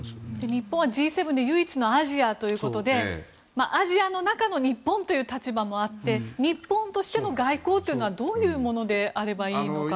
日本はＧ７で唯一のアジアということでアジアの中の日本という立場もあって日本としての外交というのはどういうものであればいいのか。